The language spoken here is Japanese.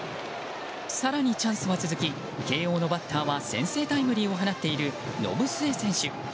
更に、チャンスは続き慶應のバッターは先制タイムリーを放っている延末選手。